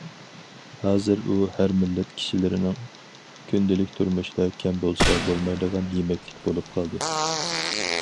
ھازىر ئۇ ھەر مىللەت كىشىلىرىنىڭ كۈندىلىك تۇرمۇشىدا كەم بولسا بولمايدىغان يېمەكلىك بولۇپ قالدى.